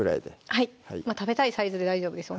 はい食べたいサイズで大丈夫です